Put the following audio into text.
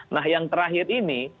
nah yang terakhir ini